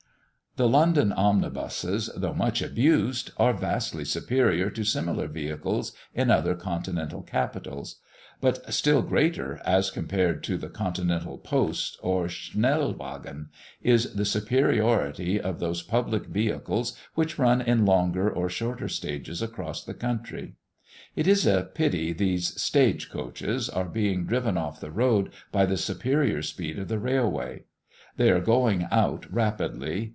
The London omnibuses, though much abused, are vastly superior to similar vehicles in other Continental capitals; but still greater, as compared to the Continental "Post," or "Schnellwagen," is the superiority of those public vehicles which run in longer or shorter stages across the country. It is a pity these stage coaches are being driven off the road by the superior speed of the railways. They are going out rapidly.